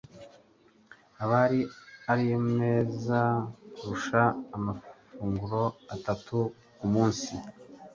abiri ariyo meza kurusha amafunguro atatu ku munsi.